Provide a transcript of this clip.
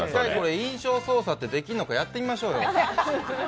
印象操作ってできるのか試しましょうよ。